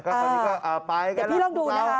เดี๋ยวพี่ลองดูนะคะ